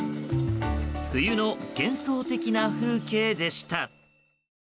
冬の幻想的な風景でした。